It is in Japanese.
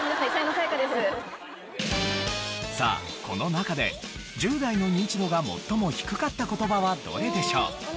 さあこの中で１０代のニンチドが最も低かった言葉はどれでしょう？